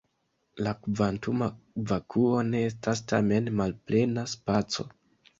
La kvantuma vakuo ne estas tamen malplena spaco.